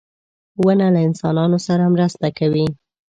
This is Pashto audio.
• ونه له انسانانو سره مرسته کوي.